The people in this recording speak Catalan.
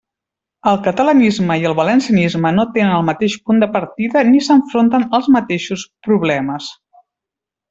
El catalanisme i el valencianisme no tenen el mateix punt de partida ni s'enfronten als mateixos problemes.